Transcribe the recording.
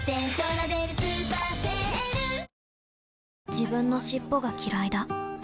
自分の尻尾がきらいだ